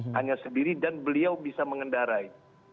hanya sendiri dan beliau bisa mengendarai